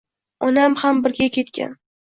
— Onam ham birga ketgan…